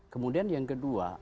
kemudian yang kedua